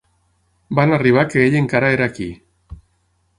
Van arribar que ell encara era aquí.